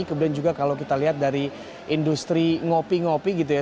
kemudian juga kalau kita lihat dari industri ngopi ngopi gitu ya